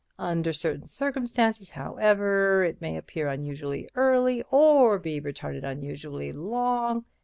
Under certain circumstances, however, it may appear unusually early, or be retarded unusually long!'